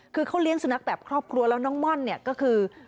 คือเขาเลี้ยงสุนัขแบบครอบครัวแล้วน้องม่อนเนี่ยก็คือ